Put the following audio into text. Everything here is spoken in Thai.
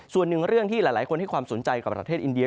ส่วนหนึ่งเรื่องที่หลายคนให้ความสนใจกับประเทศอินเดีย